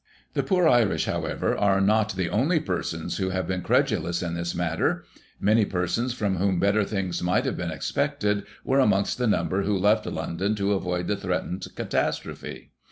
" The poor Irish, however, are not the only persons who have been credulous in this matter ; many persons from whom better things might have been expected, were amongst the number who left London to avoid the threatened catastrophe.